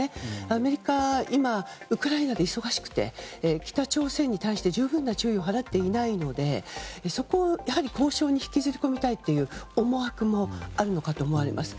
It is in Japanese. アメリカは今ウクライナで忙しくて北朝鮮に対して十分な注意を払っていないのでそこは、交渉に引きずり込みたいという思惑もあるのかと思われます。